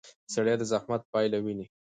سړی د زحمت پایله ویني